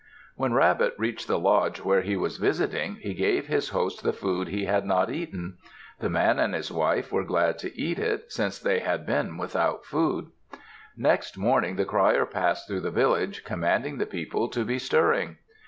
When Rabbit reached the lodge where he was visiting, he gave his host the food he had not eaten. The man and his wife were glad to eat it, since they had been without food. Next morning, the crier passed through the village, commanding the people to be stirring.